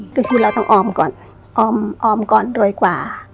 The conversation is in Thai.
ก็คือเราต้องออมก่อนออมก่อนรวยกว่า